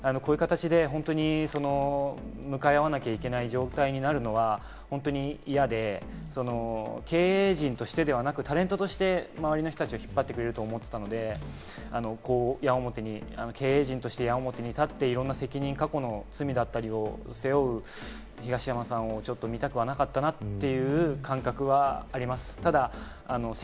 こういう形で本当に向かい合わなきゃいけない状態になるのは本当に嫌で経営陣としてではなく、タレントとして周りの人たちを引っ張ってくれると思っていたので、経営陣として矢面に過去の罪だったりを背負う東山さんをちょっと見たくはなかったなという感覚はあります。